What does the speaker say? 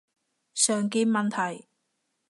常見問題